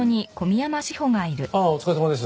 ああお疲れさまです。